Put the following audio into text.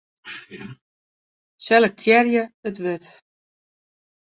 Selektearje it wurd.